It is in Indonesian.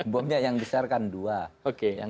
bomnya yang besar kan dua oke yang